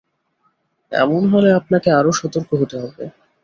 এমন হলে আপনাকে আরও সতর্ক হতে হবে।